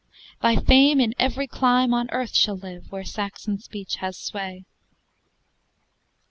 Thy fame in every clime On earth shall live where Saxon speech has sway.